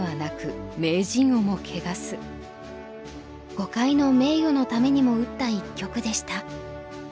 碁界の名誉のためにも打った一局でした。